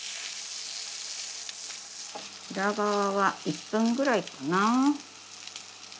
裏側は１分ぐらいかな。